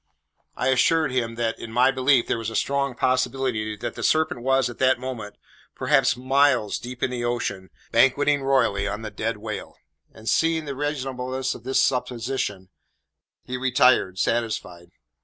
I assured him that, in my belief, there was a strong probability that the serpent was, at that moment, perhaps miles deep in the ocean, banqueting royally on the dead whale; and, seeing the reasonableness of this supposition, he retired, satisfied.